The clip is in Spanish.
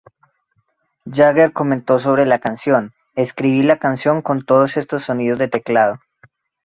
Jagger comentó sobre la canción: "Escribí la canción con todos estos sonidos de teclado.